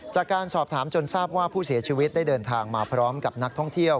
จากการสอบถามจนทราบว่าผู้เสียชีวิตได้เดินทางมาพร้อมกับนักท่องเที่ยว